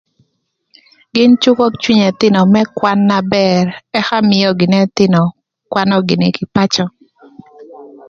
Gïn cükö cwiny ëthïnö më kwan na bër ëka mïö gïnɨ ëthïnö kwanö gïnï kï pacö